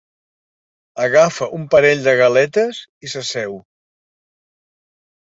Agafa un parell de galetes i s'asseu.